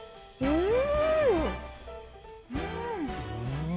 うん。